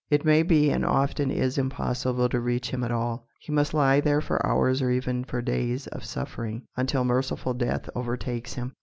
It may be and often is impossible to reach him at all. He must lie there for hours or even for days of suffering, until merciful death overtakes him.